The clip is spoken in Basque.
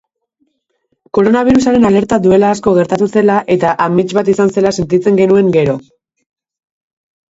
Koronabirusaren alerta duela asko gertatu zela eta amets bat izan zela sentitzen genuen gero.